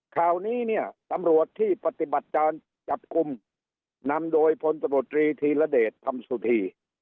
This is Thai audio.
ข่าวนี้เนี่ยตำรวจที่ปฏิบัติการจับกลุ่มนำโดยพลตำรวจตรีธีรเดชธรรมสุธี